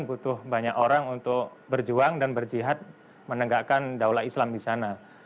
butuh banyak orang untuk berjuang dan berjihad menegakkan daulah islam di sana